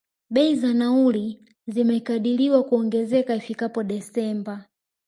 Bei za nauli, zimekadiriwa kuongezeka ifikapo December.